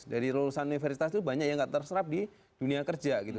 dari lulusan universitas itu banyak yang nggak terserap di dunia kerja gitu